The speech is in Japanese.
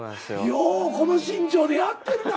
ようこの身長でやってるな。